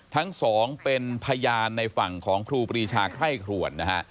ทั้งสองเป็นพยานในฝั่งของครูปรีชาไคร่ครวนนะฮะ